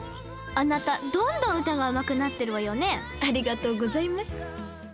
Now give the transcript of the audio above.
あなたどんどん歌がうまくなってるわよねありがとうございます